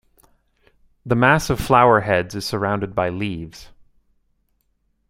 The mass of flower heads is surrounded by leaves.